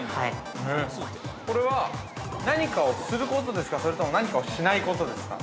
◆これは、何かをすることですかそれとも何かをしないことですか。